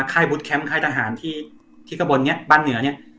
ค่ายบุ๊ตแคมป์ค่ายทหารที่ที่ข้างบนเนี้ยบ้านเหนือเนี้ย